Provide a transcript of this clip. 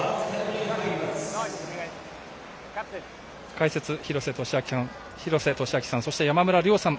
解説、廣瀬俊朗さんそして山村亮さん